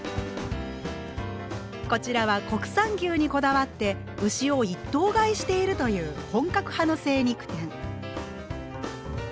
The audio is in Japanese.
こちらは国産牛にこだわって牛を一頭買いしているという本格派の精肉店。